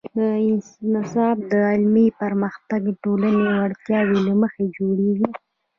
دا نصاب د علمي پرمختګ او ټولنې د اړتیاوو له مخې جوړیږي.